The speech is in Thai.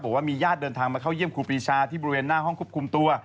บอกว่ามีญาติเดินทางมาเข้าเยี่ยมครูปีชาที่บริเวณหน้าห้องควบคุมตัว